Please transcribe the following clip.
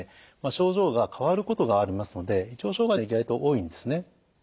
症状が変わることがありますので胃腸障害というのは意外と多いんですね。